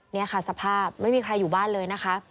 นี่ค่ะสภาพไม่มีใครอยู่บ้านเลยนะคะ